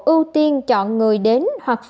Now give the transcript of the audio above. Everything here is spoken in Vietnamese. ưu tiên chọn người đến hoặc về